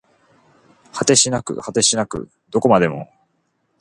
果てしなく果てしなくどこまでも